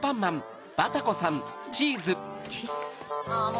あの。